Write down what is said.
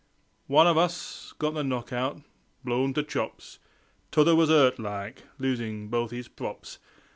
One of us got the knock out, blown to chops. T'other was hurt, like, losin' both 'is props.